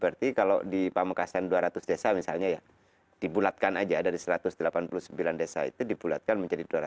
berarti kalau di pamekasan dua ratus desa misalnya ya dibulatkan aja dari satu ratus delapan puluh sembilan desa itu dibulatkan menjadi dua ratus